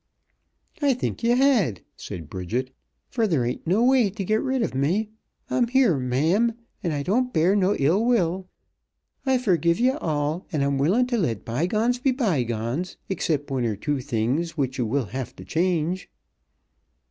"I think ye had!" said Bridget. "For there ain't no way t' git rid of me. I'm here, ma'am, an' I don't bear no ill will. I forgive ye all, an' I'm willin' t' let by gones be by gones, excipt one or two things, which ye will have t' change."